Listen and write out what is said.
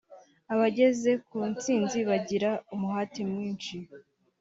Abageze ku ntsinzi bagira umuhate mwinshi